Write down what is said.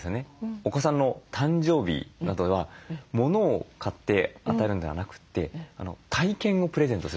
お子さんの誕生日などはモノを買って与えるのではなくて体験をプレゼントすることにしてると。